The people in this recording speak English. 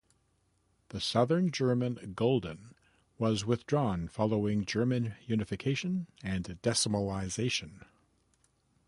The southern German Gulden was withdrawn following German unification and decimalization.